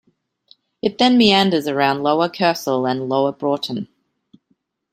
It then meanders around Lower Kersal and Lower Broughton.